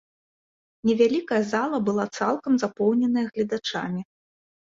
Невялікая зала была цалкам запоўненая гледачамі.